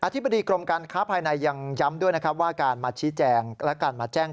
อธิบดีกรมการค้าภายในยังย้ำด้วยว่าการมาชี้แจง